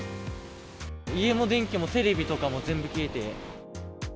家の電気もテレビとかも全部消えて。